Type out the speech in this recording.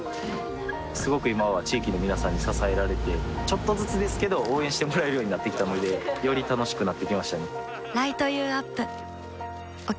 すごく今は地域の皆さんに支えられてちょっとずつですけど応援してもらえるようになってきたのでより楽しくなってきましたね